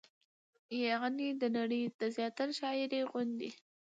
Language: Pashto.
يعنې د نړۍ د زياتره شاعرۍ غوندې